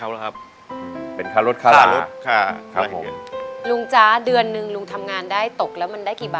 ร้องได้ร้องได้ครับ